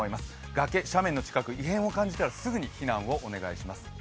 崖、斜面の近く、異変を感じたらすぐに避難をお願いします。